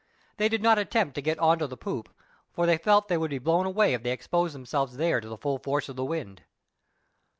They did not attempt to get on to the poop, for they felt they would be blown away if they exposed themselves there to the full force of the wind.